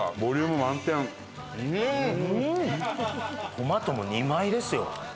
トマトも２枚ですよ。